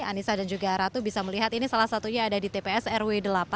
anissa dan juga ratu bisa melihat ini salah satunya ada di tps rw delapan